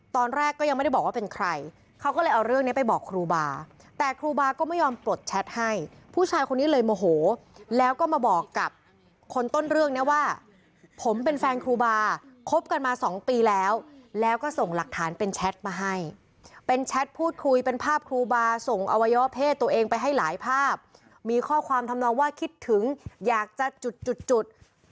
ตอนแรกก็ยังไม่ได้บอกว่าเป็นใครเขาก็เลยเอาเรื่องนี้ไปบอกครูบาแต่ครูบาก็ไม่ยอมปลดแชทให้ผู้ชายคนนี้เลยโมโหแล้วก็มาบอกกับคนต้นเรื่องนี้ว่าผมเป็นแฟนครูบาคบกันมาสองปีแล้วแล้วก็ส่งหลักฐานเป็นแชทมาให้เป็นแชทพูดคุยเป็นภาพครูบาส่งอวัยวะเพศตัวเองไปให้หลายภาพมีข้อความทำนองว่าคิดถึงอยากจะจุดจุด